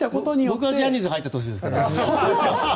僕がジャニーズに入った年ですから。